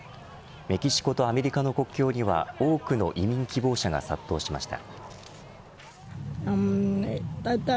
メキシコとアメリカの国境には多くの移民希望者が殺到しました。